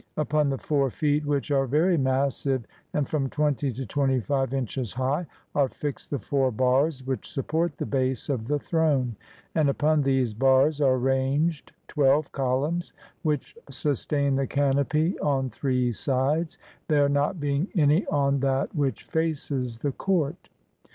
Upon the four feet, which are very massive, and from twenty to twenty five inches high, are fixed the four bars which support the base of the throne, and upon these bars are ranged twelve columns, which sustain the canopy on three sides, there not being any on that which faces the court.